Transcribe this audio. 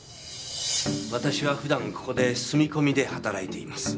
私は普段ここで住み込みで働いています。